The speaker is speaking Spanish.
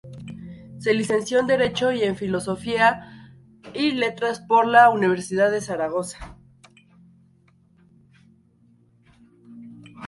Se licenció en Derecho y en Filosofía y Letras por la Universidad de Zaragoza.